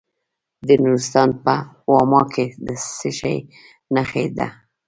د نورستان په واما کې د څه شي نښې دي؟